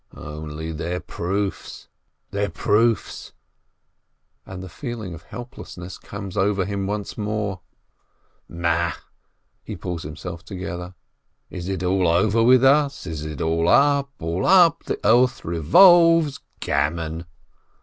"Only their proofs, their proofs!" and the feeling of helplessness comes over him once more. "Ma !" He pulls himself together. "Is it all over with us? Is it all up?! All up?! The earth revolves! Gammon!